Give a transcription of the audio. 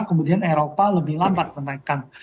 kemudian eropa lebih lambat menaikkan